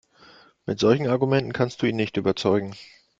Mit solchen Argumenten kannst du ihn nicht überzeugen.